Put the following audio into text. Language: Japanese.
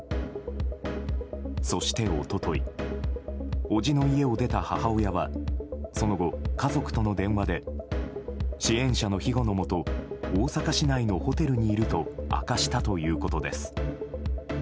そして一昨日伯父の家を出た母親はその後、家族との電話で支援者の庇護のもと大阪市内のホテルにいると明かしたということです。